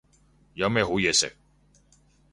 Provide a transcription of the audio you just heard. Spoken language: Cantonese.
有咩好嘢食